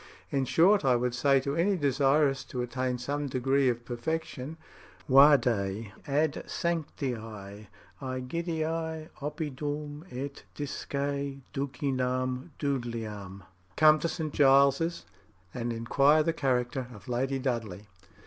In short, I would say to any desirous to attain some degree of perfection, 'Vade ad Sancti Egidii oppidum, et disce Ducinam Dudleyam' ('Come to St. Giles, and inquire the character of Lady Dudley')."